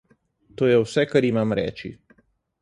To je vse, kar imam reči.